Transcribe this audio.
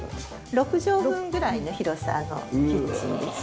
６畳分ぐらいの広さのキッチンです。